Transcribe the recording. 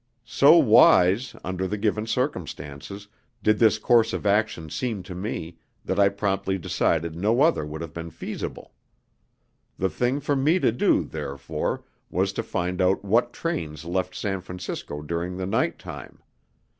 So wise, under the given circumstances, did this course of action seem to me, that I promptly decided no other would have been feasible. The thing for me to do, therefore, was to find out what trains left San Francisco during the night time.